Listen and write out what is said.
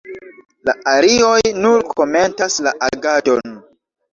La arioj nur komentas la agadon.